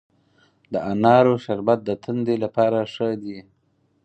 د انارو شربت د تندې لپاره ښه دی.